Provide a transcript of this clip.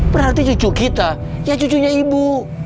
berarti cucu kita ya cucunya ibu